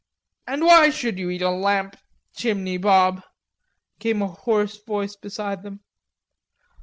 "And why should you eat a lamp chimney, Bob?" came a hoarse voice beside them.